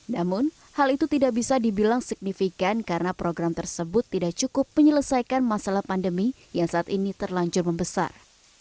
namun hal itu tidak bisa dibilang signifikan karena program tersebut tidak cukup menyelesaikan masalah pandemi yang saat ini terlanjur membesar